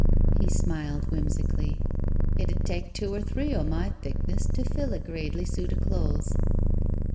He smiled whim sically. " It 'ud take two or three o' my thickness to fill a gradely suit o' clothes."